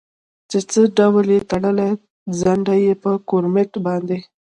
چې څه ډول یې تړلی، څنډه یې په ګورمېټ باندې.